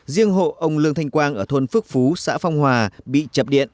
riêng hộ ông lương thanh quang ở thôn phước phú xã phong hòa bị chập điện